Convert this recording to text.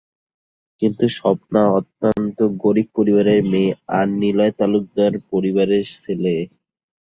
কিন্তু স্বপ্না অত্যন্ত গরিব পরিবারের মেয়ে আর নিলয় তালুকদার পরিবারের ছেলে।